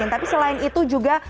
tapi selain itu juga